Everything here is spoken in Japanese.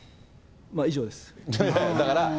以上です。